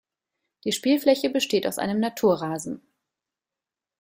Die Spielfläche besteht aus einem Naturrasen.